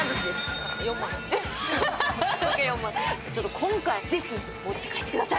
今回ぜひ持って帰ってください。